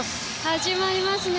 始まりますね！